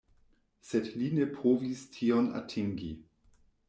Sed li ne povis tion atingi.